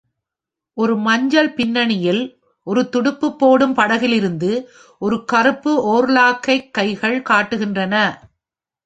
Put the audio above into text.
ஒரு மஞ்சள் பின்னணியில், ஒரு துடுப்புப் போடும் படகிலிருந்து ஒரு கருப்பு ஓர்லாக்கைக் கைகள் காட்டுகின்றன.